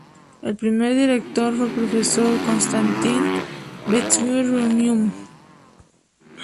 El primer director fue el profesor Konstantín Bestúzhev-Riumin.